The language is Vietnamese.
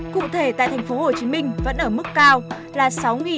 cụ thể tại tp hcm vẫn ở mức cao là sáu hai trăm hai mươi sáu ca bình dương ba năm trăm bốn mươi ca